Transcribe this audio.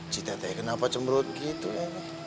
cita teh kenapa cembrut gitu ya